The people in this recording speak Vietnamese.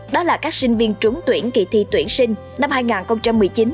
đó là các sinh viên trúng tuyển kỳ thi tuyển sinh năm hai nghìn một mươi chín